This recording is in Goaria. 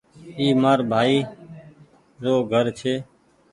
اي مآر ڀآئي گھرڇي۔